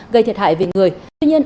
gây thiệt hại về người tuy nhiên